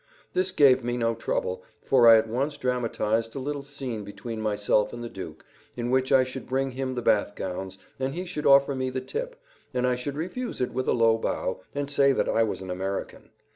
This gave me no trouble, for I at once dramatized a little scene between myself and the Duke, in which I should bring him the bath gowns, and he should offer me the tip, and I should refuse it with a low bow, and say that I was an American.